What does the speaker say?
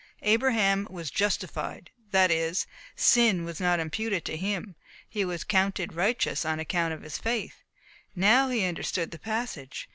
Abraham was "justified" that is, "sin was not imputed to him" he was "counted righteous," on account of his faith. Now he understood the passage.